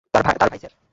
তার ভাই, স্যার।